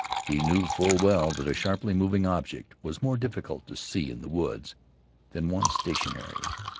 He knew full well that a sharply moving object was more difficult to see in the woods, than one stationary.